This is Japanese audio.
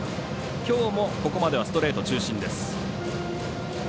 きょうもここまではストレート中心です。